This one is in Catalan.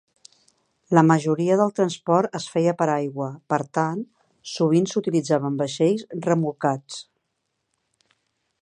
La majoria del transport es feia per aigua, per tant, sovint s'utilitzaven vaixells remolcats.